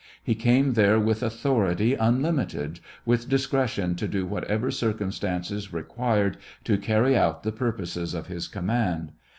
He came there with authorr ity unlimited, with discretion to do whatever circumstances required to carry out the purposes of his command.